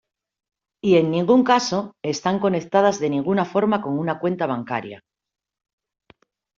Y en ningún caso, están conectadas de ninguna forma con una cuenta bancaria.